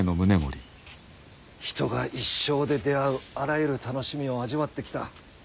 人が一生で出会うあらゆる楽しみを味わってきた。